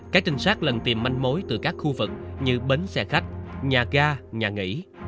các trinh sát lần tìm manh mối từ các khu vực như bến xe khách nhà ga nhà nghỉ